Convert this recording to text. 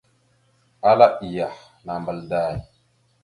Ala iyah, nambal day !